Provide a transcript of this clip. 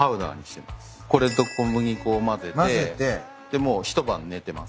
これと小麦粉を混ぜてもう一晩寝てます。